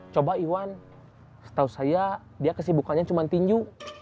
coba iwan setahu saya dia kesibukannya cuma tinju